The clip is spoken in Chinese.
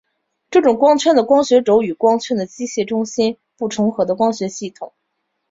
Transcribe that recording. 这种光圈的光学轴与光圈的机械中心不重合的光学系统。